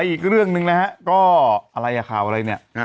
อีกเรื่องนึงนะบุคคลเคสมอบใหม่